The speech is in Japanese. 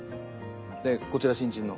こちら新人の。